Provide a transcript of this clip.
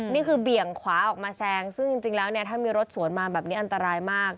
เบี่ยงขวาออกมาแซงซึ่งจริงแล้วเนี่ยถ้ามีรถสวนมาแบบนี้อันตรายมาก